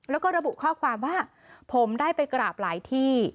แล้วก็ระบุข้อความว่าผมได้ไปกราบหลายที่